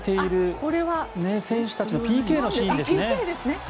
選手たちのＰＫ戦のシーンですね。